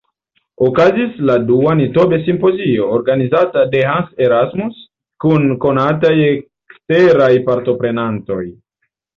Okazis la dua Nitobe-simpozio, organizata de Hans Erasmus, kun konataj eksteraj partoprenantoj.